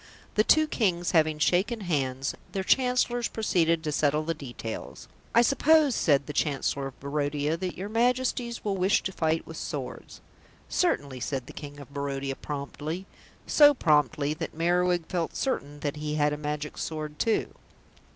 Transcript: The two Kings having shaken hands, their Chancellors proceeded to settle the details. "I suppose," said the Chancellor of Barodia, "that your Majesties will wish to fight with swords?" "Certainly," said the King of Barodia promptly; so promptly that Merriwig felt certain that he had a Magic Sword too.